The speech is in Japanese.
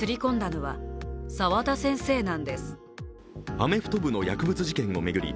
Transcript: アメフト部の薬物事件を巡り